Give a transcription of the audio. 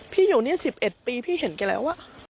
พี่อยู่นี่๑๑ปีพี่เห็นกันแล้วอ่ะ